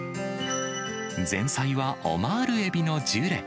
前菜はオマール海老野ジュレ。